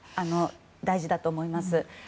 大事だと思います。